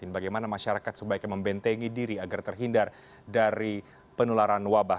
bagaimana masyarakat sebaiknya membentengi diri agar terhindar dari penularan wabah